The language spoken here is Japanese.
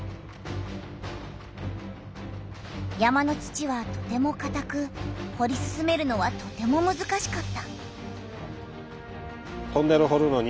山の土はとてもかたくほり進めるのはとてもむずかしかった。